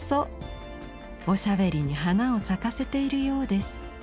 おしゃべりに花を咲かせているようです。